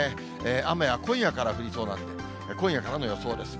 雨は今夜から降りそうなので、今夜からの予想です。